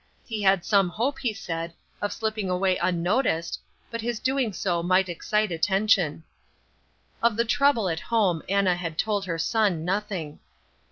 He had some hope, he said, of slipping away unnoticed, but his doing so might excite attention. Of the trouble at home Anna had told her son nothing.